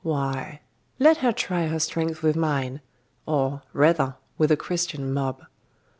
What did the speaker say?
why let her try her strength with mine or, rather, with a Christian mob.